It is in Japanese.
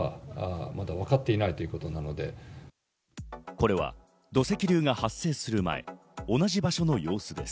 これは土石流が発生する前、同じ場所の様子です。